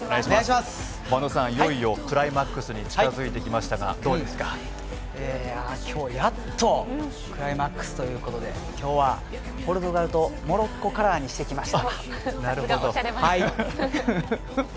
いよいよクライマックスに今日やっとクライマックスということで今日は、ポルトガルとモロッコカラーにしてきました。